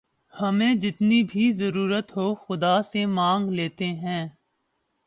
ہمیں جتنی ضرورت ہو خدا سے مانگ لیتے ہیں